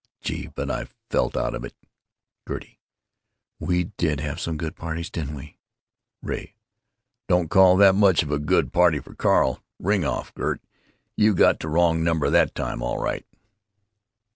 Gee, but I felt out of it!" Gertie: "We did have some good parties, didn't we!" Ray: "Don't call that much of a good party for Carl! Ring off, Gert; you got the wrong number that time, all right!"